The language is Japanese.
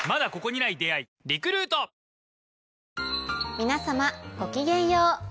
皆さまごきげんよう。